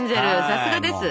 さすがです。